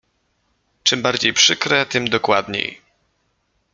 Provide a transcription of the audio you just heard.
„Czym bardziej przykre, tym dokładniej.